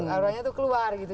auranya tuh keluar gitu